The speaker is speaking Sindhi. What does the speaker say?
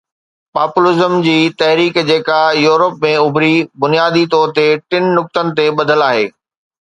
پاپولزم جي تحريڪ جيڪا پورپ ۾ اڀري، بنيادي طور تي ٽن نقطن تي ٻڌل آهي.